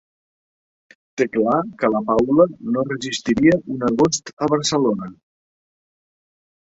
Té clar que la Paula no resistiria un agost a Barcelona.